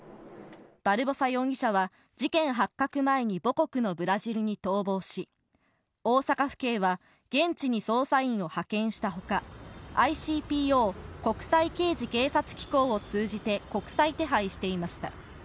バルボサ容疑者は事件発覚前に母国のブラジルに逃亡し、大阪府警は現地に捜査員を派遣したほか、ＩＣＰＯ・国際刑事警察機構を通じて、国際手配していました。